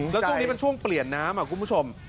แล้วช่วงนี้เป็นช่วงเปลี่ยนน้ำคุณผู้ชม